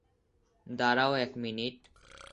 দাঁড়াও এক মিনিট।